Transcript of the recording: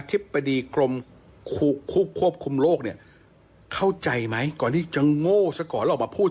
ธิบดีกรมควบคุมโรคเนี่ยเข้าใจไหมก่อนที่จะโง่ซะก่อนแล้วออกมาพูด